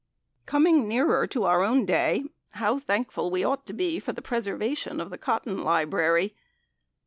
Coming nearer to our own day, how thankful we ought to be for the preservation of the Cotton Library.